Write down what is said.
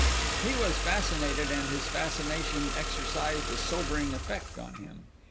He was fascinated and his fascination exercised a sobering effect on him.